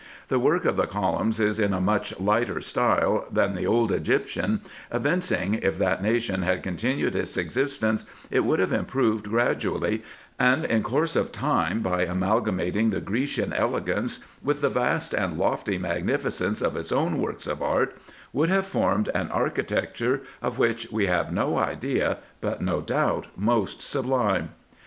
The work of the columns is in a much lighter style than the old Egyptian, evincing, if that nation had continued its existence, it would have improved gradually ; and in due course of time, by amalgamating the Grecian elegance with the vast and lofty mag 200 RESEARCHES AND OPERATIONS nificence of its own works of art, would have formed an architecture of which we have no idea, but, no doubt, most sublime.